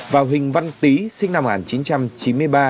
và huỳnh văn tý sinh năm một nghìn chín trăm chín mươi ba